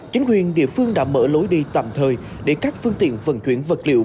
chính quyền địa phương đã mở lối đi tạm thời để các phương tiện vận chuyển vật liệu